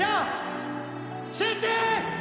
集中！